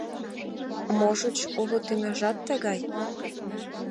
Можыч, уло тӱняжат тыгай?